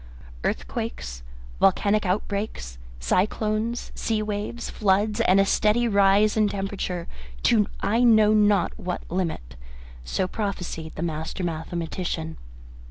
"Earthquakes, volcanic outbreaks, cyclones, sea waves, floods, and a steady rise in temperature to I know not what limit" so prophesied the master mathematician.